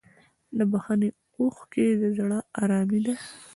د بښنې اوښکې د زړه ارامي ده.